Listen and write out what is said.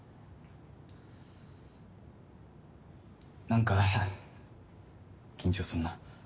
何か、緊張するな。